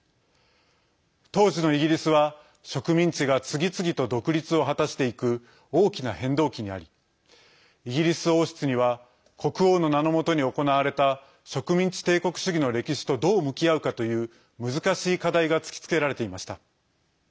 当時のイギリスは植民地が次々と独立を果たしていく大きな変動期にありイギリス王室には国王の名の下に行われた植民地帝国主義の歴史とどう向き合うかという難しい課題が突きつけられていました。